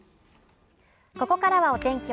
ここからはお天気